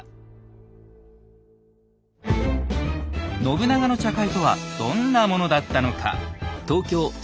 信長の茶会とはどんなものだったのか。